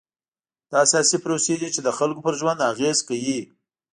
دا سیاسي پروسې دي چې د خلکو پر ژوند اغېز کوي.